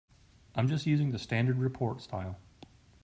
I'm just using the standard report style.